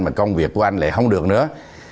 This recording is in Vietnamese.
mà công việc của anh lại không được nữa